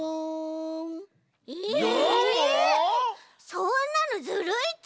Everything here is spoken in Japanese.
そんなのずるいち。